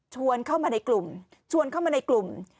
เข้ามาในกลุ่มชวนเข้ามาในกลุ่ม